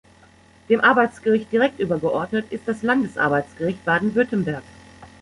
Dem Arbeitsgericht direkt übergeordnet ist das Landesarbeitsgericht Baden-Württemberg.